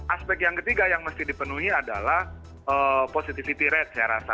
aspek yang ketiga yang mesti dipenuhi adalah positivity rate saya rasa